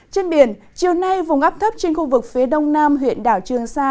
trên biển chiều nay vùng áp thấp trên khu vực phía đông nam huyện đảo trường sa